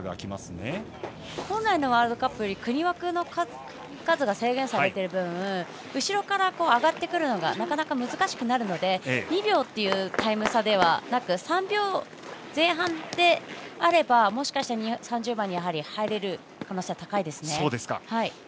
本来のワールドカップより国枠の数が制限されている分後ろから上がってくるのがなかなか難しくなるので２秒というタイム差ではなく３秒前半であればもしかしたら３０番には入れる可能性は高いですね。